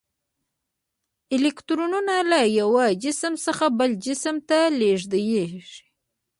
الکترونونه له یو جسم څخه بل جسم ته لیږدیږي.